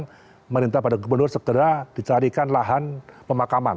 pemerintah pada gubernur segera dicarikan lahan pemakaman